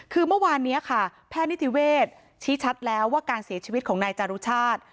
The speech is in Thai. คือเมื่อวานนี้ค่ะแพทย์นิติเวศชี้ชัดแล้วว่าการเสียชีวิตของนายจารุชาติ